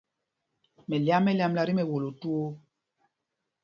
Mɛlyam mɛ lyāmla tí mɛwolo twóó.